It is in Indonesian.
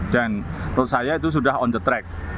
dan menurut saya itu sudah on the track